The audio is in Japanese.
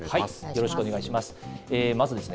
よろしくお願いします。